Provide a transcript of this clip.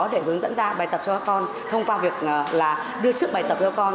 để hướng dẫn ra bài tập cho các con thông qua việc đưa trước bài tập cho con